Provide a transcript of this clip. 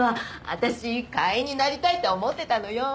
私会員になりたいと思ってたのよ。